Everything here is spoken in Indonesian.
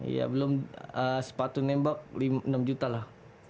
iya belum sepatu nembak rp enam lah